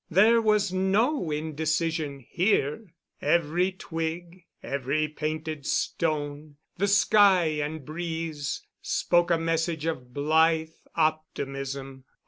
There was no indecision here. Every twig, every painted stone, the sky and breeze, spoke a message of blithe optimism.